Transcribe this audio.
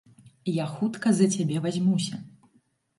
Я хутка за цябе вазьмуся.